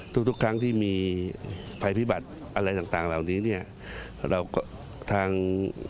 ทุกทุกครั้งที่มีภัยพิบัติอะไรต่างเหล่านี้เนี่ยเราก็ทาง